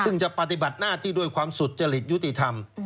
ซึ่งจะปฏิบัติหน้าที่ด้วยความสุจริตยุติธรรม